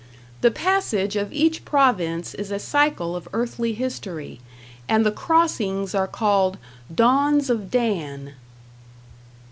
The passage of each province is a cycle of earthly history, and the crossings are called Dawns of Dan.